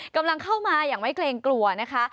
กำลังเข้ามาอย่างไม่เกรงกลัวนะคะ